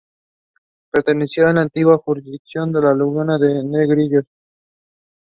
He later became vice chairman.